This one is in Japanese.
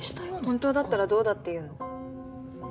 本当だったらどうだっていうの？